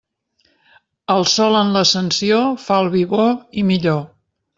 El sol en l'Ascensió fa el vi bo i millor.